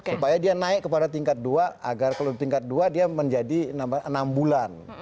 supaya dia naik kepada tingkat dua agar kalau di tingkat dua dia menjadi enam bulan